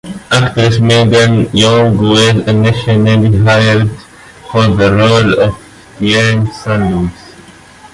Actress Megan Young was initially hired for the role of Diane San Luis.